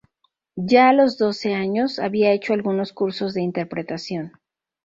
Ya a los doce años, había hecho algunos cursos de interpretación.